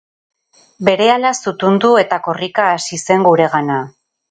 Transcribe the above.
Berehala zutundu eta korrika hasi zen guregana.